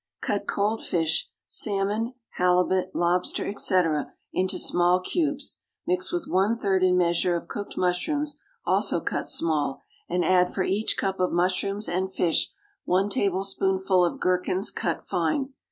= Cut cold fish salmon, halibut, lobster, etc. into small cubes, mix with one third in measure of cooked mushrooms, also cut small, and add for each cup of mushrooms and fish one tablespoonful of gherkins cut fine.